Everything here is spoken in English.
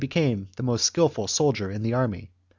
CHAP, became the most skilful soldier in the army.